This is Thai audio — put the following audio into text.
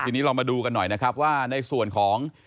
ทีนี้เรามาดูกันหน่อยนะครับว่าในส่วนของ